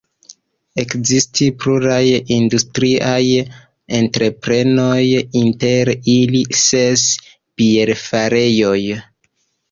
Ekestis pluraj industriaj entreprenoj, inter ili ses bierfarejoj.